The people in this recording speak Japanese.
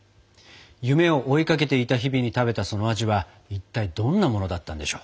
夢を追いかけていた日々に食べたその味はいったいどんなものだったんでしょう。